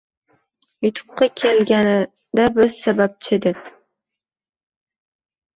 Yutuqqa kelganda biz sababchi deb